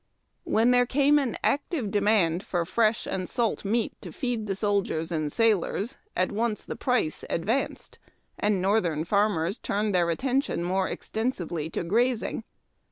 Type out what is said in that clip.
When there came an active demand for fresh and salt meat to feed the soldiers and sailors, at once the price advanced, and Northern farmers turned their attention more extensively to grazing.